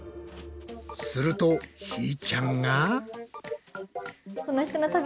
するとひーちゃんが。